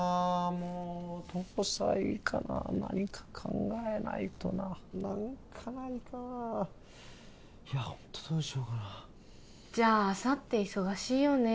もうどうしたらいいかな何か考えないとな何かないかないやホントどうしようかなじゃああさって忙しいよね？